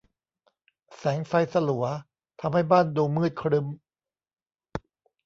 แสงไฟสลัวทำให้บ้านดูมืดครึ้ม